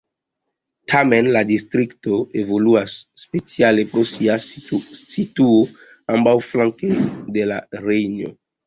Tamen la distrikto evoluas speciale pro sia situo ambaŭflanke de la Rejno.